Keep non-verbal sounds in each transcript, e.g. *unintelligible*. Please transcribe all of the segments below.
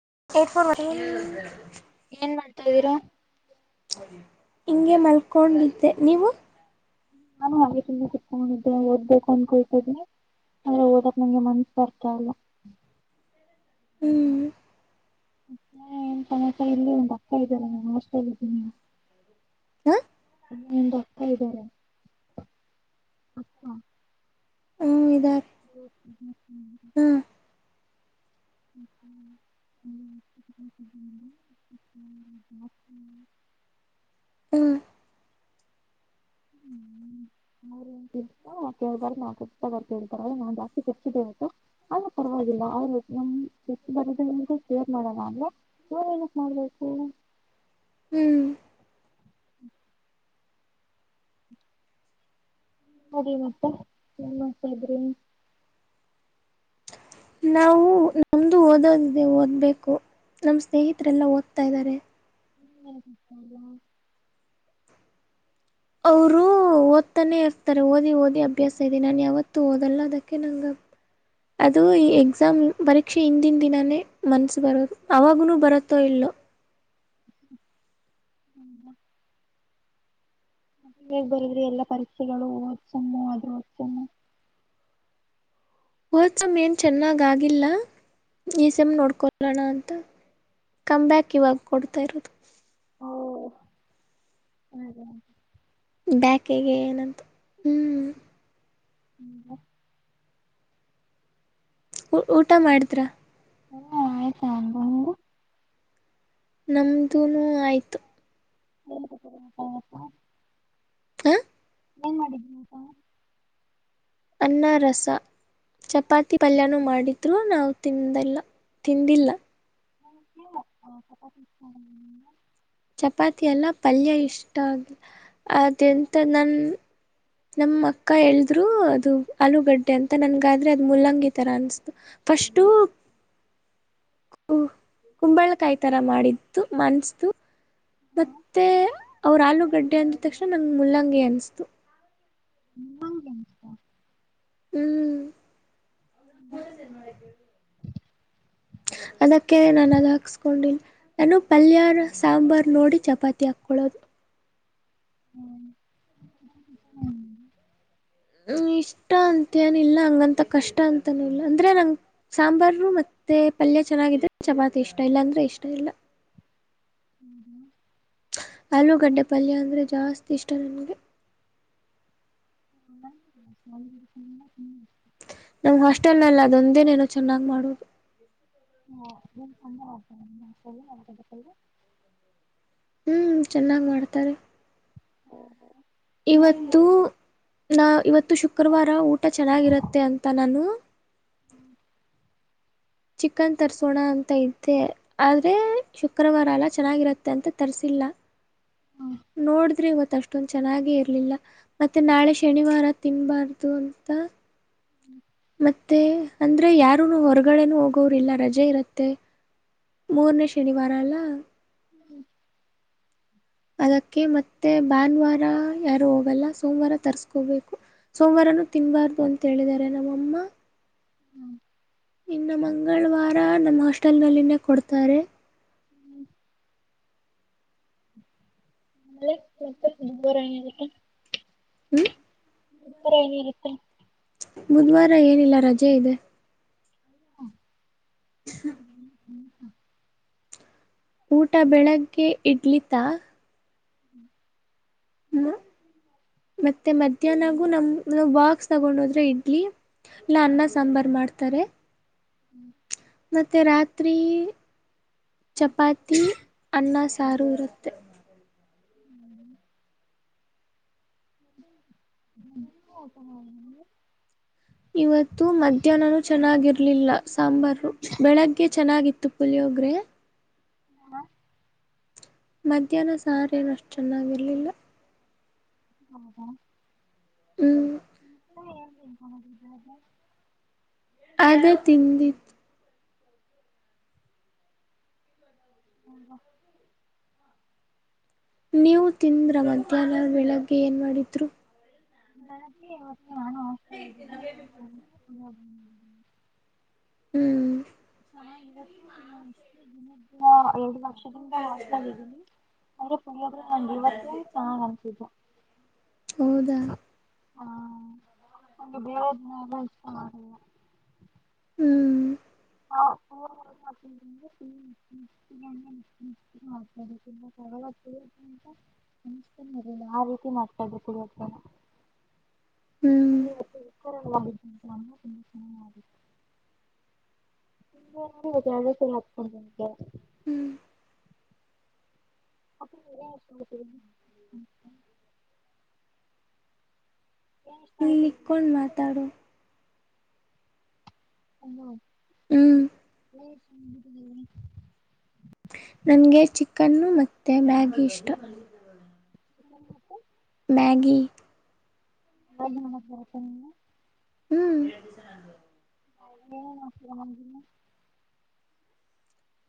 *unintelligible* ತ್ತಿದ್ದೀರಾ ಹಿಂಗೆ ಮಲ್ಕೊಂಡಿದ್ದೆ ನೀವು ನಾನು ಹಾಗೆ ತುಂಬಾ ಸಿಕಕೊಂಡಿದ್ದೆ ಓದ್ಬೇಕು ಅನ್ಕೊಳ್ತ ಇದನಿ ಆದ್ರೆ ಓದಕ್ ನಂಗೆ ಮನ್ಸ್ಸ ಬರ್ತ ಇಲ್ಲ ಹ್ಮ್ *unintelligible* ಹ. ಏನ್ ಡಾಕ್ತರ್ ಇದ್ದಾರೆ *unintelligible* ಹ್ಮ ಇದಾ *unintelligible* *unintelligible* ಹ್ಮ ಹ ಹ್ಮ ಹ್ಮ ಹ್ಮ. ಹ್ಮ. ಹ್ಮ್ ಅವ್ರ ನ್ತ ಕೇಳ್ಬಾರೆ ನಾವು ಖರ್ಗ ಕೇಳ್ತಾರೆ್ರೆ ನಾನ್ ಜಾಸ್ತಿ ಖರ್ಚಿದೆೇವತ್ತು ಆದ ಪರವಾಗಿಲ್ಲ ಅವ್ರರು.. ಬರ ನಿಮ ಕೇರ್ ಮಾಡಲ್ಲ ಅಲ್ವಾ ನೀ ಏನಕ್ ಮಾಡ್ಬೇಕು. ಹ್ಮ್.. ನೀ ಮತ್ತೆ ನ್ ಮಾಡ್ತಾ ಇದ್ರಿ. ನಾವು ನಮ್ದು ಓದೋದಿದೆ ಓದ್ಬೇಕು ನಮ ಸ್ನೇಹಿತರೆಲ್ಲ ಓದ್ತಾ ಇದ್ದಾರೆ. ಹ್ಮ. ಅವರು ಓದ್ತಾನೆ ಇರ್ತಾರೆ ಓದಿ ಓದಿ ಅಭ್ಯಾಸ ಇದೆ ನಾನು ಯಾವತ್ತುೂ ಓದಲ್ಲ ಅದಕ್ಕೆ ನಂಗ ಅದು ಈ ಎಕ್ಸಾಮ್ ಪರೀಕ್ಷೆ ಹಿಂದಿನ ದಿನಾನೇ ಮನ್ಸ ಬರ ಅವಾಗೂ ಬರತ್ತೋ ಇಲ್ಲೋ. ಹೇಗ್ ಬರಿದ್ರಿ ಎಲ್ಲಾ ಪರೀಕ್ಷೆಗಳುದ್ಸುಮ್ಮು ಅದ್ರದ್ ಸುಮ್ಮು ಹೊದಸಮ್ ಏನ್ ಚೆನ್ನಾಗ್ ಆಗಿಲ್ಲ ಈ ಸಮ್ ನೋಡ್ಕೊಳ್ಳೋಣ ಅಂತ ಕಮ್ ಬ್ಯಾಕ್ ಇವಾಗ ಕೊಡ್ತಾ ಇರೋದು. ಹಾಗೆ ಬ್ಯಾಕೆಗೆ ಏನಂತ ಹ್ಮ್. ಹ್ಮ. ಊಟ ಮಾಡಿದ್ರ. ಹಾ ಆಯ್ತಾ ಹ. ನಮ್ದನು ಆಯ್ತು. ಎ. ಹ. ಹೆಏಂಗ ಮಾಡಿದ್ನಿ ಅಪ. ಅನ್ನ ರಸ ಚಪಾತಿ ಪಲ್ಯನೂ ಮಾಡಿದ್ರೂ ನಾವು ತಿಂದಲ್ಲ ತಿಂದಿಲ್ಲ ಹ. ಚಪಾತಿ ಎಲ್ಲ ಪಲ್ಯ ಇಷ್ಟ ಆಗ್ಿಲ್ಲ ಅದೆಂತ ನನ್ ನಮ್ಮ ಅಕ್ಕ ಹೇಳಿದ್ರು ಅದು ಆಲೂಗಡ್ಡೆ ಅಂತ ನನ್ಗಾದ್ರೆ ಅದು ಮುಲ್ಲಂಗಿ ತರ ಅನ್ಸತು ಫಸ್ಟು. ಕುಂಬಳಕಾಯಿ ತರ ಮಾಡಿದ್ದು ಮನ್ಸತು. ಮತ್ತೆ ಅವ್ರ ಆಲೂ. ಗಡ್ಡೆ ಅಂದ ತಕ್ಷಣ ನಂಗಗೆ ಮುಲ್ಲಂಗಗೆ ಅನ್ನಿಸ್ತು ್ಮ ನ ಹ್ಮ್. ಹೌದ ಮಾಡಳ ಅದಕ್ಕೆ ನಾನು ಅದು ಹಾಕ್ಸ್ಕೊಂಡಿಲ್ಲ ನಾನು ಪಲ್ಯ ಸಾಂಬಾರ್ು ನೋಡಿ ಚಪಾತಿ ಹಾಕೊಳ್ಳೋದು. ಹ್ಮ್ ಹ್ಮ್. ಹ್ಮ ಇಷ್ಟ ಅಂತೇನಿಲ್ಲ ಹಂಗಂತ ಕಷ್ಟ ಅಂತನೂ ಇಲ್ಲ ಅಂದ್ರೆ ನಂ ಸಾಂಬಾರ ಮತ್ತೆ ಪಲ್ಯ ಚೆನ್ನಾಗಿದ ಚಪಾತಿ ಇಷ್ಟ ಇಲ್ಲ ಅಂದ್ರೆ ಇಷ್ಟ ಇಲ್ಲ. ಹ್ಮ್ ಹ್ಮ್. ಆಲೂಗಡ್ಡೆ ಪಲ್ಯ ಅಂದ್ರೆ ಜಾಸ್ತಿ ಇಷ್ಟ ನನ್ಗೆ. ಹ ಹ್ಮ. ನಮ್ ಹಾಸ್ಟೆಲ್ನಲ್ಲ ಅದೊಂದೇನೇನ ಚೆನ್ನಾಗ್ ಮಾಡೋುದು. ಹಾ ಕಂತ. ಹ್ಮ್ ಚೆನ್ನಾಗ್ ಮಾಡ್ತಾರ. ಓ ಹೋ. ಇವತ್ತು ನಾ ಇವತ್ತು ಶುಕ್ರವಾರ ಊಟ ಚೆನ್ನಾಗಿರುತ್ತೆ ಅಂತ ನಾನು ಚಿಕನ್ ತರ್ಸೋಣ ಅಂತ ಇದ್ದೆ ಆದ್ರೆ ಶುಕ್ರವಾರ ಅಲ್ಲ ಚೆನ್ನಾಗಿರತ್ತೆ ಅಂತ ತರ್ಸಿಲ್ಲ ನೋಡಿದ್ರೆ ಇವತ್ತ ಅಷ್ಟೊಂದ ಚೆನ್ನಾಗಿ ಇರ್ಲಿಲ್ಲ ಮತ್ತೆ ನಾಳೆ ಶನಿವಾರ ತಿನ್ಬಾರ್ದು ಅಂತ. ಹ್ಮ್. ಮತ್ತೆ ಅಂದ್ರೆ ಯಾರುನು ಹೊರಗಡೆನು ಹೋಗೋರಿಲ್ಲ ರಜೆ ಇರುತ್ತೆ ಮೂರನೇ ಶನಿವಾರ ಅಲ್ಲ ಹ್ಮ್ ಅದಕ್ಕೆ ಮತ್ತೆ ಭಾನುವಾರ ಯಾರು ಹೋಗಲ್ಲ ಸೋಮವಾರ ತರ್ಸ್ಕೋಬೇಕು ಸೋಮವಾರನುೂ ತಿನ್ಬಾರ್ದು ಅಂತ ಹೇಳಿದಿದ್ದಾರೆ ನಮ್ಮಮ್ಮ. ಇನ್ನ ಮಂಗಳವಾರ ನಮ್ಮ ಹಾಸ್ಟೆಲ್ ನಲ್ಲಿನೇ ಕೊಡ್ತಾರೆ. *unintelligible* ಹ್ಮ್ *unintelligible* ಏನ ಇರುತ್ತೆ. ಬುಧವಾರ ಏನಿಲ್ಲ ರಜ್ ಜೆ ಇದೆ. ಹ್ಮ *inaudible* ಊಟ ಬೆಳಗ್ಗೆ ಇಡ್ಲಿತಾ. *inaudible* ಹ್ಮ ಮತ್ತೆ ಮಧ್ಯಾಹ್ನಗು ನಮ ಬಾಕ್ಸ್ ತಗೊಂಡ ಹೋದ್ರೆ ಇಡ್ಲಿ ಇಲ್ಲ ಅನ್ನ ಸಾಂಬಾರ್ ಮಾಡ್ತಾರೆ. *unintelligible* ಮತ್ತು ರಾತ್ರಿ ಚಪಾತಿ ಅನ್ನ ಸಾರು ಇರುತ್ತೆ. *unintelligible* *inaudible* ಇವತ್ತು ಮಧ್ಯಾಹ್ನನೂ ಚೆನ್ನಾಗಿರ್ಲಿಲ್ಲ ಸಾಂಬಾರು ಬೆಳಗ್ಗೆ ಚೆನ್ನಾಗಿತ್ತು ಪುಲಿಯೊೋಗ್ರೆ. ಹ ಮಧ್ಯಾಹ್ನ ಸಾರೇನಷ್ಟು ಚೆನ್ನಾಗಿರ್ಲಿಲ್ಲ ಹೌದ ಹ್ಮ್ *unintelligible* ಅದು ತಿಂದಿತ್ತು ಹೌದ ನೀವು ತಿಂದ್ರ ಮಧ್ಯಾಹ್ನ ಬೆಳಗ್ಗೆ ಏನ್ ಮಾಡಾಿದ್ರು. ಬತ್ವ *unintelligible* *unintelligible* ಪುಳಿಯೋಗರೆ ಮಾಡಿದ್ದೀನಿ ಹ್ಮ್. ಸ ಇವತ್ತು ನಾಷ್ಟ ದಿನ ಹಾ *unintelligible* ವಷದಿಂದ ಹಾಸ್ಟೆಲ್ ಇದ್ದೀನಿ ಅಂದ್ರೆ ಪುಣಿಯದ್ರ ನ ನಿಲ್ವತ್ತ ಚ ಅನ್ಸಿದ್ು ಹೌದಾ. ಹಾ ನ ಬೇರೆದಿನ ಎಲ್ಲ ಇಷ್ಟ ಮಾಡಿಲ್ಲ ಹ್ಮ್ ಹಾ *unintelligible* *unintelligible* ತ ಆ ರೀತಿ ಮಾಡ್ *unintelligible* ಹ್ಞೂ *unintelligible* *unintelligible* ನಿ ಸ ಹತ್ಕೊಂಡ ಹ್ಞೂ *unintelligible* ಇಷ್ಟ ಆಗುತ್ತೆ ಅಲ್ಲಿಕ್ಕೋಂಡ ನಿಮಗೆ ಮಾತಾಡು ಹಾ ಹ್ಮ್ *unintelligible* ನನಗೆ ಚಿಕನ್ನು ಮತ್ತೆ ಮ್ಯಾಗಿ ಇಷ್ಟ *unintelligible* ಮ್ಯಾಗಿ. *unintelligible* ಹ್ಮ್ *unintelligible*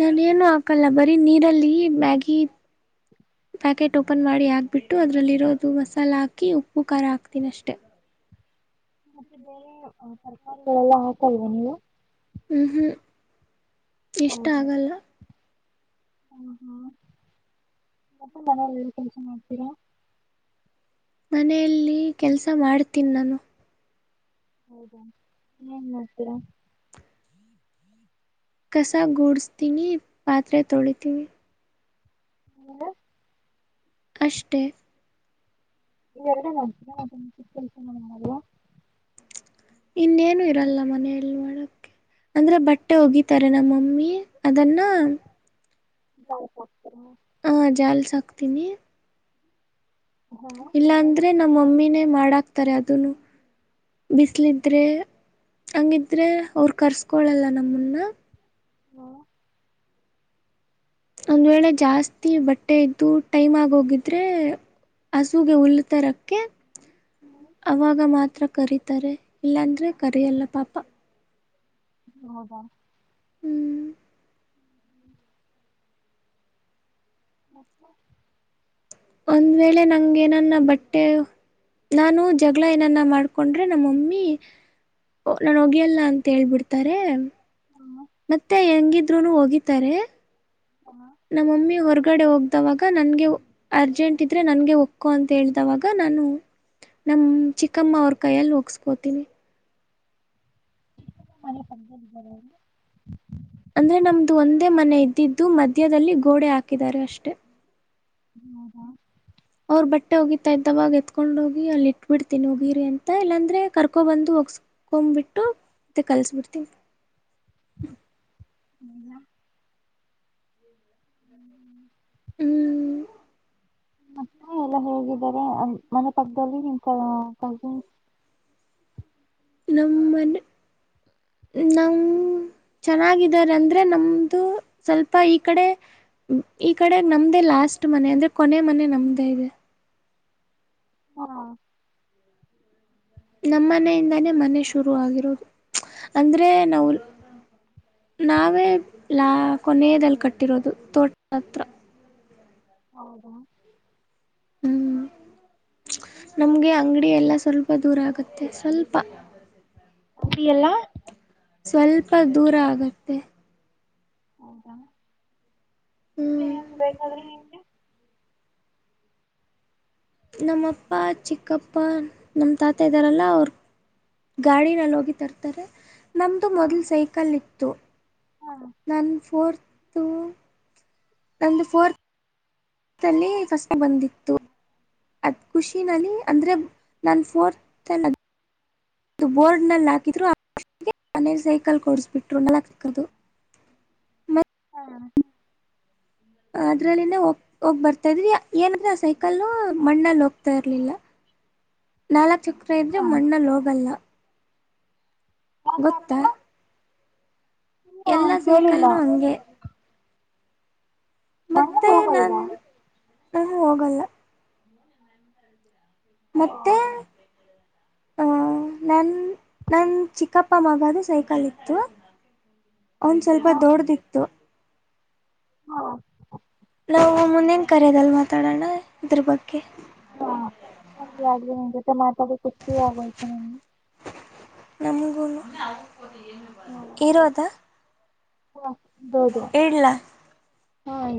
ನಾನ ಏನು ಹಾಕಲ್ಲ ಬರೀ ನೀರಲ್ಲಿ ಮ್ಯಾಗಿ *unintelligible* ಪ್ಯಾಕೆಟ್ ಓಪನ್ ಮಾಡಿ ಹಾಕ್ಬಿಟ್ಟು ಅದರಲ್ಲಿರೋದು ಮಸಾಲ ಹಾಕಿ ಉಪ್ಪು ಖಾರ ಹಾಕ್ತೀನ ಅಷ್ಟೆ ಮತ್ತೆ ಬೇರೆ ತರಕಾರಿಗಳೆಲ್ಲ ಹಾಕಲ್ವಾ ನೀವು ಹ್ಮ್ ಹ್ಮ್ ಇಷ್ಟ ಆಗಲ್ಲ ಹ್ಮ ಹ್ಮ್ ಅಪ್ಪ ಮನೇಲಿ ಏನ್ ಕೆಲ್ಸ ಮಾಡ್ತೀರಾ ಮನೆಯಲ್ಲಿ ಕೆಲ್ಸ ಮಾಡ್ತೀನ್ ನಾನು ಹೌದಾ ಏನ್ ಮಾಡ್ತೀರಾ ಕಸ ಗೂಡಸ್ತೀನಿ ಪಾತ್ರೆ ತೊಳಿತೀವಿ *unintelligible* ಅಷ್ಟೇ ಈ ಎರಡೇ ಚಿಕ್ಕ ಕೆಲ್ಸ ಮಾಡೋದು ಇನ್ನೇನು ಇರಲ್ಲ ಮನೆಯಲ್ಲಿ ಮಾಡಕ ಅಂದ್ರೆ ಬಟ್ಟೆ ಒಗಿತಾರೆ ನಮ್ಮಮ್ಮಿ ಅದನ್ನ *inaudible* ಹಾ ಜಾಲ್ಸ ಹಾಕ್ತೀನಿ ಹಾಂ ಆಮೇಲೆ ಇಲ್ಲಾಂದ್ರೆ ನಮ್ಮ ಮಮ್ಮಿನೇ ಮಾಡಾಕ್ತಾರೆ ಅದನ್ನೂ ಬಿಸಿಲಿದ್ರೆ ಹಂಗಿದ್ರೆ ಅವ್ರು ಕರ್ಸ್ಕೊೊಳ್ಳಲ್ಲ ನಮ್ಮನ್ನ ಹ್ಮ ಒಂದ್ ವೇಳೆ ಜಾಸ್ತಿ ಬಟ್ಟೆ ಇದ್ದು ಟೈಮ್ ಆಗೋಗಿದ್ರೆ ಹಸುಗೆ ಉಲ್ಲತರಕ್ಕೆ ಅವಾಗ ಮಾತ್ರ ಕರಿತಾರೆ ಇಲ್ಲಾಂದ್ರೆ ಕರಿಯಲ್ಲ ಪಾಪ ಹೌದಾ ಹ್ಮ್ *inaudible* ಒಂದ್ ವೇಳೆ ನಂಗೆೇನನ್ನ ಬಟ್ಟೆ ನಾನು ಜಗಳ ಏನನ್ನ ಮಾಡ್ಕೊಂಡ್ರೆ ನಮ್ಮ ಮಮ್ಮಿ ನಾನು ಒಗೆಯಲ್ಲ ಅಂತ ಹೇಳ್ಬಿಡ್ತಾರೆ ನಿಮ್ಮ ಮತ್ತೆ ಹೆಂಗ್ ಹೆಂಗಿದ್ರುನು ಒಗಿತಾರೆ ಅಮ್ಮ ನಮ್ಮಮ್ಮಿ ಹೊರಗಡೆ ಹೋಗ್ದವಾಗ ನನ್ಗೆ ಅರ್ಜೆಂಟ್ ಇದ್ರೆ ನನ್ಗೆ ಒಕ್ಕೋ ಅಂತ ಹೇಳ್ದವಾಗ ನಾನು ನಮ್ಮ ಚಿಕ್ಕಮ್ಮ ಅವ್ರ ಕೈಯ್ಯಲ್ಲಿ ಒಗುಸ್ಕೊತಿನಿ ಮನೆ ಪಕ್ಕದ ಮನೆಯವ್ರ ಅಂದ್ರೆ ನಮ್ದು ಒಂದೇ ಮನೆ ಇದ್ದಿದ್ದು ಮಧ್ಯದಲ್ಲಿ ಗೋಡೆ ಹಾಕಿದ್ದಾರೆ ಅಷ್ಟೆ ಹ್ಮ ಹಾ ಅವ್ರ ಬಟ್ಟೆ ಹೋಗಿತಾ ಇದ್ದವಾಗ ಎತ್ಕೊಂಡ್ ಹೋಗಿ ಅಲ್ಲಿ ಇಟ್ಬಿಡ್ತೀನಿ ಒಗಿರಿ ಅಂತ ಇಲ್ಲಾಂದ್ರೆ ಕರ್ಕೊ ಬಂದು ಒಗಸ್ಕೊಬಿಟ್ಟು ಮತ್ತೆ ಕಲ್ಸ್ಬಿಡ್ತೀನಿ *inaudible* ಹ್ಮ್ ಮತ್ತೆ ಎಲ್ಲ ಹೇಗಿದ್ದಾರೆ ಮನೆ ಪಕ್ಕದಲ್ಲಿ ನಿಮ್ ಕಸಿನ್ಸ ನಮ್ಮ ಮನ್ ನಮ ಚೆನ್ನಾಗಿದಾರ ಅಂದ್ರೆ ನಮ್ದು ಸ್ವಲ್ಪ ಈ ಕಡೆ ಈ ಕಡೆ ನಮ್ದೇ ಲಾಸ್ಟ್ ಮನೆ ಅಂದ್ರೆ. ಕೊನೆ ಮನೆ ನಮ್ದೇ ಇದೆ. ಹಾ. ನಮ್ಮನೆಯಿಂದಾನೇ ಮನೆ ಶುರು ಆಗಿರೋದು ಅಂದ್ರೆ ನಾವು ನಾವೇ ಲಾ ಕೊನೆಯದಲ್ಲಿ ಕಟ್ಟಿರೋದು ತೋಟ ಹತ್ರ. ಹೌದಾ. ಹ್ಮ್ ನಮ್ಗೆ ಅಂಗಡಿ ಎಲ್ಲ ಸ್ವಲ್ಪ ದೂರ ಆಗುತ್ತೆ ಸ್ವಲ್ಪ. ಅಡಿ ಎಲ್ಲ. ಸ್ವಲ್ಪ ದೂರ ಆಗತ್ತೆ. ಹೌದಾ. ಮತ್ತೆ ಹ್ಮ್ ಏನ ಬೇಕಾದ್ರೆ ನಿಗೆ.. ನಮ್ಮಪ್ಪ ಚಿಕ್ಕಪ್ಪ ನಮ್ಮ ತಾತ ಇದ್ದಾರಲ್ಲ ಅವರು ಗಾಡಿನಲ್ಲಿ ಹೋಗಿ ತರ್ತಾರೆ. ನಮ್ಮದು ಮೊದಲು ಸೈಕಲ್ ಇತ್ತು. ತ್ತು. ಹಾ ನನ್ನು ಫೋರ್ತ. ಅಂದು ಫೋರ್ತ್. ಲ್ಲಿ ಕಷ್ಟ ಬಂದಿತ್ತು ಅದ್ ಖುಷಿನಲ್ಲಿ ಅಂದ್ರೆ ನನ್ ಫೋರ್ತ್ಲ್ಲಿ. ಇದು ಬೋರ್ಡ್ನಲ್ಲಿ ಹಾಕಿದ್ರು ಆ ಮನೇ ಸೈಕಲ್ ಕೊಡಿಸ್ಬಿಟ್ರು ನಲಕ್ ತಕ್ಕದು. ಹಾ. ಅದ್ರಲ್ಲಿನ ಹೋಗ ಹೋಗ್ ಬರ್ತಾ ಇದಿ ಏನಂದ್ರೆ ಆ ಸೈಕಲ್ ಮಣ್ಣಲ್ಲಿ ಹೋಗ್ತಾ ಇರ್ಲಿಲ್ಲ ನಾಲ್ಕ. ಚಕ್ರ ಇದ್ರೆ ಹಾ ಮಣ್ಣಲ್ಲಿ ಹೋಗಲ್ಲ. ಯಾಕೆ ಗೊತ್ತಾ. ಆತರ ಇಲ್ಲ ಎಲ್ಲಾ ಕೇಳಿಲ್ಲ. ಸೈಕಲ್ಲು ಹಂಗೆ ಮ್ಣು ಹೋಗಲ್ದಾ. ಹ ಹೋಗಲ್ಲ ಓ ಮತ್ತೆ. ನನ್ನ ನನ್ನ ಚಿಕ್ಕಪ್ಪ ಮಗದು ಸೈಕಲ್ ಇತ್ತು. ಒಂದ್ ಸ್ವಲ್ಪ ಹಾ ದೊಡ್ಡ್ದಿಕ್ತ್ತು. ಹಾ. ನಾವು ಮುಂದೇನು ಕರೆಯೋದಲ್ಲ ಮಾತಾಡೋಣ ಇದ್ರ ಬಗ್ಗೆ. ಹಾ ಹಾಗ ಆಗ್ಲಿ ನಿನ್ ಜೊತೆ ಮಾತಾಡ ಖುಷಿ ಆಗೋಯ್ತು ನಗೆ. ನಮಗೂ. ಇರ ಅದಾ. ಹ. ಇಡ್ಲಾ ಹಾೀ